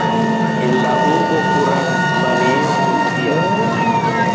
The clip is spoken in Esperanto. En la urbo kuracbanejo funkcias.